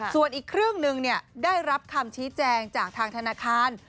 ส่วนอีกเครื่องหนึ่งได้รับคำชี้แจงจากทางธนาคาร